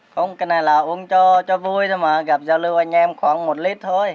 không cái này là uống cho vui thôi mà gặp giao lưu anh em khoảng một lít thôi